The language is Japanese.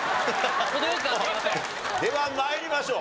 では参りましょう。